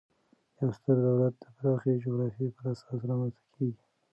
یو ستر دولت د پراخي جغرافیې پر اساس رامنځ ته کیږي.